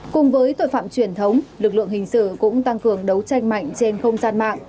cùng với tội phạm truyền thống lực lượng hình sự cũng tăng cường đấu tranh mạnh trên không gian mạng